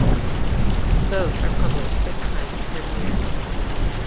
Both are published six times per year.